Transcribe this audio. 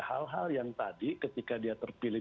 hal hal yang tadi ketika dia terpilih